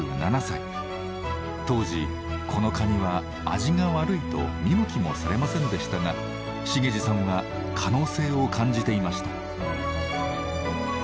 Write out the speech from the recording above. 当時このカニは味が悪いと見向きもされませんでしたが茂司さんは可能性を感じていました。